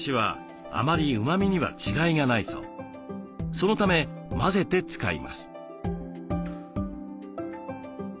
そのため混ぜて使います。